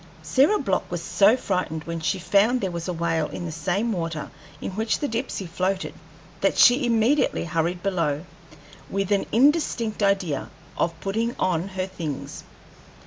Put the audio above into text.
Sarah Block was so frightened when she found there was a whale in the same water in which the Dipsey floated that she immediately hurried below, with an indistinct idea of putting on her things.